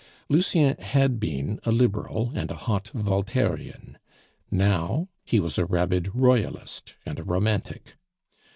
Lucien had been a Liberal and a hot Voltairean; now he was a rabid Royalist and a Romantic.